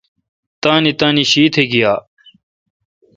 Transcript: تانی تانی شی تہ گییال۔